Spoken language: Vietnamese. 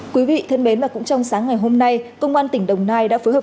quý vị thân mến và cũng trong sáng ngày hôm nay công an tỉnh đồng nai đã phối hợp